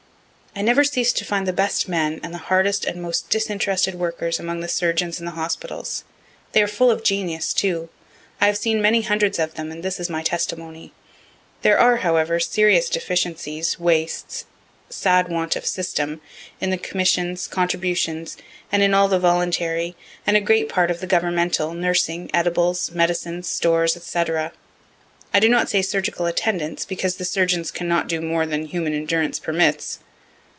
I never ceas'd to find the best men, and the hardest and most disinterested workers, among the surgeons in the hospitals. They are full of genius, too. I have seen many hundreds of them and this is my testimony. There are, however, serious deficiencies, wastes, sad want of system, in the commissions, contributions, and in all the voluntary, and a great part of the governmental nursing, edibles, medicines, stores, &c. (I do not say surgical attendance, because the surgeons cannot do more than human endurance permits.)